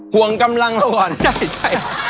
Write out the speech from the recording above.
ห่วงกำลังเราก่อนใช่